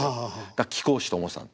だから貴公子と思ってたの。